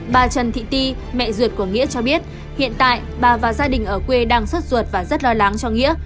bà trần thị ti mẹ ruột của nghĩa cho biết hiện tại bà và gia đình ở quê đang suốt ruột và rất lo lắng cho nghĩa